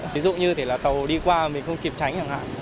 ví dụ như là tàu đi qua mà mình không kịp tránh chẳng hạn